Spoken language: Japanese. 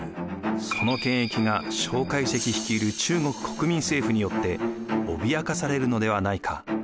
その権益が蒋介石率いる中国・国民政府によって脅かされるのではないか。